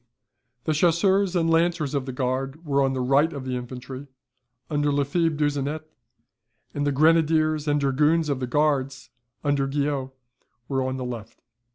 The chasseurs and lancers of the Guard were on the right of the infantry, under Lefebvre Desnouettes; and the grenadiers and dragoons of the Guards, under Guyot, were on the left.